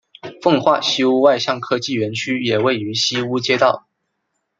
奉化西坞外向科技园区也位于西坞街道。